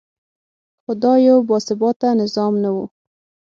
خو دا یو باثباته نظام نه و.